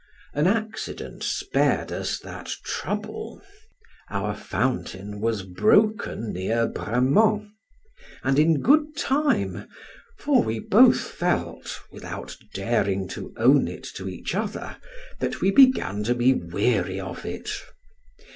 An accident spared us that trouble, our fountain was broken near Bramant, and in good time, for we both felt (though without daring to own it to each other) that we began to be weary of it.